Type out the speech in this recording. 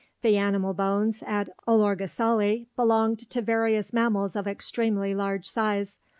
The animal bones at Olorgesailie belonged to various mammals of extremely large size.